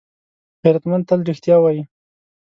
غیرتمند تل رښتیا وايي